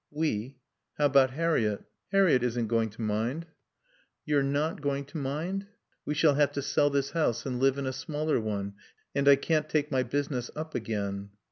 "We. How about Harriett?" "Harriett isn't going to mind." "You're not going to mind.... We shall have to sell this house and live in a smaller one. And I can't take my business up again."